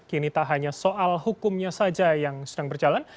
kini tak hanya soal hukumnya saja yang sedang berjalan